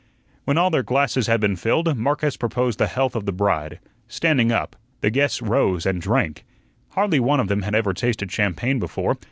When all their glasses had been filled, Marcus proposed the health of the bride, "standing up." The guests rose and drank. Hardly one of them had ever tasted champagne before.